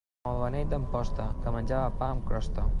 Com el beneit d'Amposta, que menjava pa amb crosta.